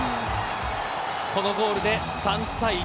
このゴールで３対２。